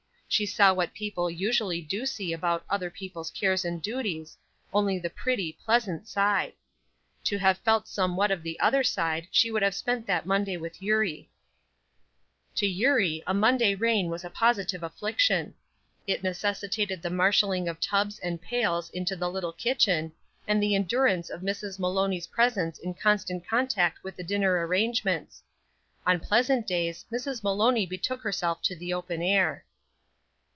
She saw what people usually do see about other people's cares and duties, only the pretty, pleasant side. To have felt somewhat of the other side she should have spent that Monday with Eurie. To Eurie a Monday rain was a positive affliction; it necessitated the marshaling of tubs and pails into the little kitchen, and the endurance of Mrs. Maloney's presence in constant contact with the dinner arrangements on pleasant days Mrs. Maloney betook herself to the open air.